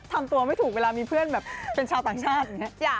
ทำตัวไม่ถึงเวลามีเพื่อนเป็นชาวต่างชาติ